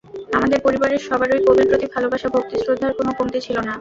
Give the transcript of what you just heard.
আমাদের পরিবারের সবারই কবির প্রতি ভালোবাসা, ভক্তি-শ্রদ্ধার কোনো কমতি ছিল না।